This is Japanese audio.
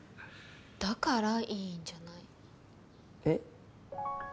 だからいいんじゃない？え？